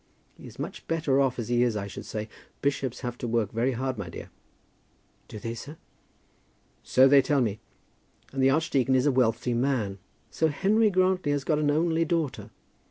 He is much better off as he is, I should say. Bishops have to work very hard, my dear." "Do they, sir?" "So they tell me. And the archdeacon is a wealthy man. So Henry Grantly has got an only daughter?